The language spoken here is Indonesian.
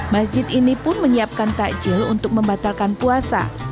masjid ini pun menyiapkan takjil untuk membatalkan puasa